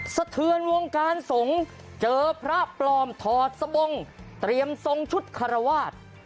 สะเทือนวงการสงฆ์เจอพระปลอมถอดสบงเตรียมทรงชุดคารวาส